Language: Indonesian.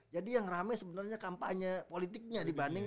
jadi yang rame sebenarnya kampanye politiknya dibanding